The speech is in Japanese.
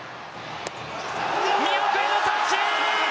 見送りの三振！